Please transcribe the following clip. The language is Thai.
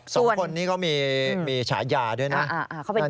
สองคนนี้ก็มีฉายาด้วยนะเขาเป็นแก๊ง